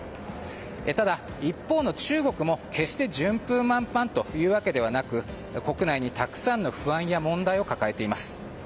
ただ、一方の中国も決して順風満帆というわけではなく国内にたくさんの不安や問題を抱えています。